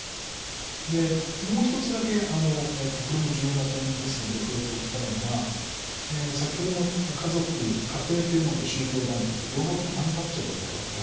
でもうひとつだけこれも重要な点ですので触れておきたいのが先ほども家族家庭というものと宗教団体両方ともアンタッチャブルだよっていう話をしました。